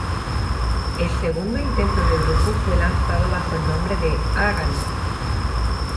El segundo intento de grupo fue lanzado bajo el nombre de "Hágalo".